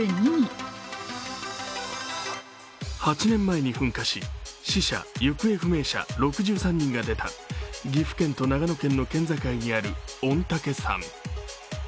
８年前に噴火し、死者・行方不明者６３人が出た岐阜県と長野県の県境にある御嶽山。